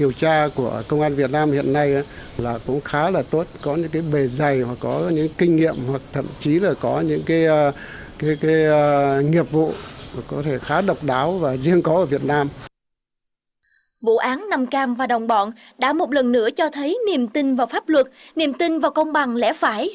bộ công an việt nam đã thành lập một chuyên án gọi là chuyên án nam cam và đồng phạm